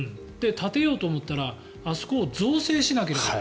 建てようと思ったらあそこを造成しないといけない。